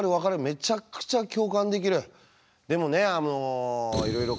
めちゃくちゃ共感できる。